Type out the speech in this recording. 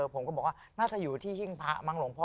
ผมก็บอกว่าน่าจะอยู่ที่หิ้งพระมั้งหลวงพ่อ